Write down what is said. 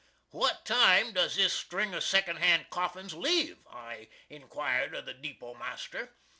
"What time does this string of second hand coffins leave?" I inquired of the depot master.